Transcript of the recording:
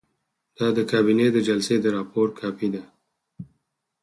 دا د کابینې د جلسې د راپور کاپي ده.